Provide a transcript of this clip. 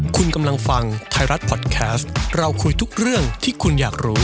คุณกำลังฟังไทยรัฐพอดแคสต์เราคุยทุกเรื่องที่คุณอยากรู้